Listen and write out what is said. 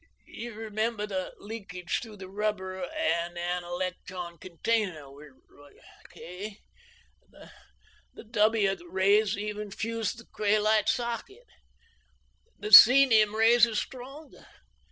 "You remember the leakage through the rubber and analektron container, Kay. The W rays even fused the craolite socket. The psenium rays are stronger.